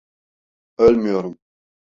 Ölmüyorum.